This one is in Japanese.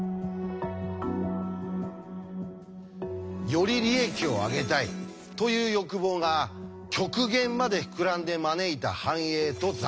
より利益をあげたいという欲望が極限まで膨らんで招いた繁栄と挫折。